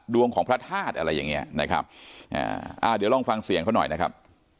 ดวงของพระธาตุอะไรอย่างเงี้ยนะครับอ่าเดี๋ยวลองฟังเสียงเขาหน่อยนะครับ